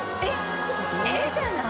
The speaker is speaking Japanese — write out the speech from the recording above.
絵じゃない？